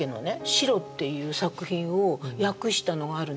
「白」っていう作品を訳したのがあるんですよ。